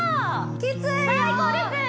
きついよ！